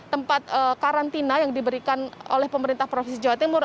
tempat karantina yang diberikan oleh pemerintah provinsi jawa timur